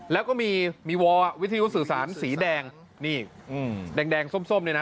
แล้วก็มีวอลวิทยุสื่อสารสีแดงนี่แดงส้มเนี่ยนะ